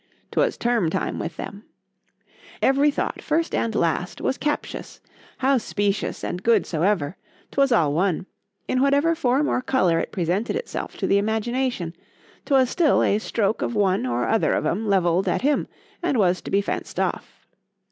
—'Twas Term time with them,—every thought, first and last, was captious;—how specious and good soever,—'twas all one;—in whatever form or colour it presented itself to the imagination,—'twas still a stroke of one or other of 'em levell'd at him, and was to be fenced off.